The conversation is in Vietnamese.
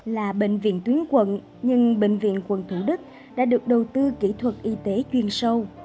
là bệnh viện tuyến quận nhưng bệnh viện quận thủ đức đã được đầu tư kỹ thuật y tế chuyên sâu